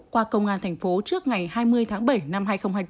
qua công an thành phố trước ngày hai mươi tháng bảy năm hai nghìn hai mươi bốn